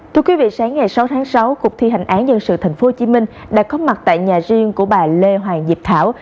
thưa quý vị sáng ngày sáu tháng sáu cục thi hành án dân sự tp hcm đã có mặt tại nhà riêng của bà lê hoàng diệp thảo